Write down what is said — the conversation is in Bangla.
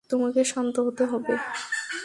তোমাকে শান্ত হতে হবে।